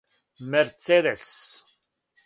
мерцедес